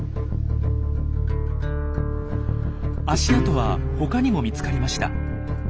足跡はほかにも見つかりました。